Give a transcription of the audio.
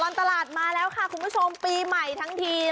ตลาดมาแล้วค่ะคุณผู้ชมปีใหม่ทั้งที